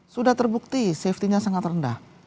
sudah terbukti safety nya sangat rendah